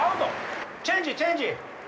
チェンジチェンジ。